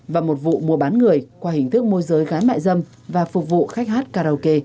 và một vụ mua bán người qua hình thức môi giới gái mại dâm và phục vụ khách hát karaoke